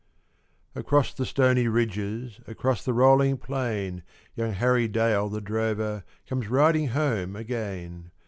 _) Across the stony ridges, Across the rolling plain, Young Harry Dale, the drover, Comes riding home again.